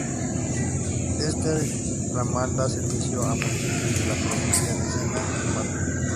Este ramal da servicio a municipios de la provincia de Sena y Marne.